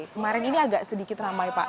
kemarin ini agak sedikit ramai pak